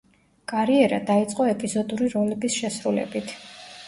კარიერა დაიწყო ეპიზოდური როლების შესრულებით.